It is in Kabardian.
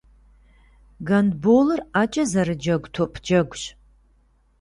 Гандболыр ӏэкӏэ зэрыджэгу топ джэгущ.